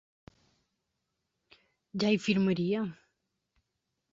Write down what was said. Ja hi firmaria!